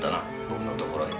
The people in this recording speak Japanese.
僕のところへ。